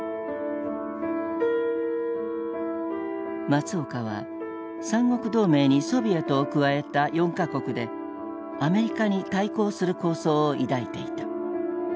松岡は三国同盟にソビエトを加えた４か国でアメリカに対抗する構想を抱いていた。